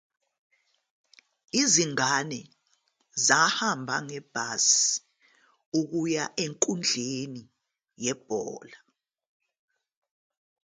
Izingane zahamba ngebhasi ukuya enkundleni yebhola.